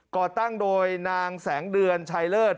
ก่อตั้งโดยนางแสงเดือนชัยเลิศ